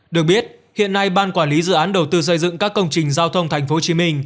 được biết hiện nay ban quản lý dự án đầu tư xây dựng các công trình giao thông tp hcm